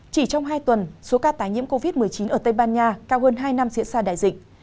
chỉ trong hai tuần số ca tái nhiễm covid một mươi chín ở tây ban nha cao hơn hai năm diễn ra đại dịch